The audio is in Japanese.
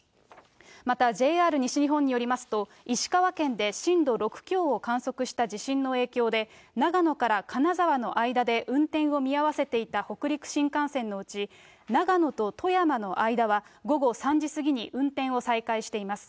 また、ＪＲ西日本によりますと、石川県で震度６強を観測した地震の影響で、長野から金沢の間で運転を見合わせていた北陸新幹線のうち、長野と富山の間は、午後３時過ぎに運転を再開しています。